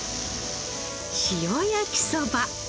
塩焼きそば。